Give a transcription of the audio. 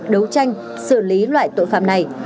đấu tranh xử lý loại tội phạm này